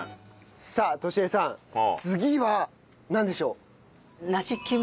さあトシ江さん次はなんでしょう？